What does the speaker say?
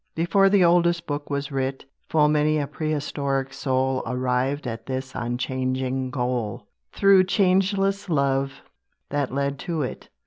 Before the oldest book was writ, Full many a prehistoric soul Arrived at this unchanging goal, Through changeless love, that led to it.